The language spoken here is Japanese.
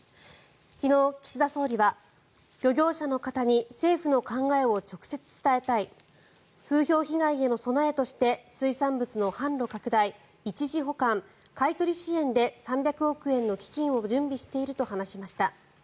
昨日、岸田総理は漁業者の方に政府の考えを直接伝えたい風評被害への備えとして水産物の販路拡大一時保管、買い取り支援で３００億円の基金を準備していると話しました。